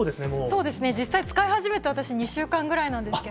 そうですね、実際使い始めて、私、２週間ぐらいなんですけど。